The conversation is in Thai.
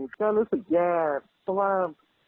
ก็รู้สึกแย่เพราะว่า